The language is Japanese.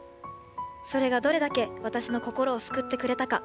それがどれだけ私の心を救ってくれたか。